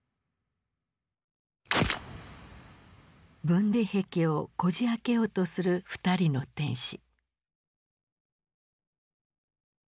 分離壁をこじ開けようとする２人の天使。